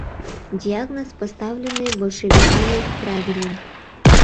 Диагноз, поставленный большевиками, правилен.